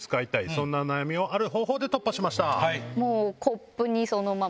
そんな悩みをある方法で突破しました。